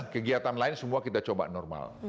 kegiatan lain semua kita coba normal